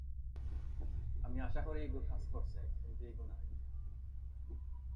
আমি আশা করি এটি কাজ করেছে, কিন্তু এটা না।